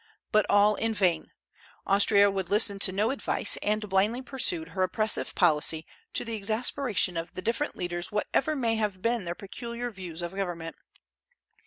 But all in vain. Austria would listen to no advice, and blindly pursued her oppressive policy, to the exasperation of the different leaders whatever may have been their peculiar views of government.